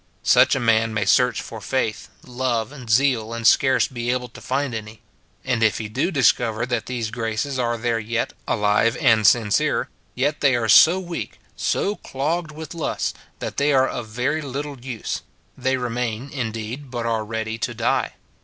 Such a man may search for faith, love, and zeal, and scarce be able to find any ; and if he do discover that these graces are there yet, alive and sincere, yet they are so weak, so clogged with lusts, that they are of very little use ; they remain, indeed, but are ready to die.